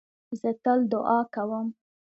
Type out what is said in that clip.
زه تل دؤعا کوم.